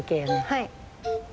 はい。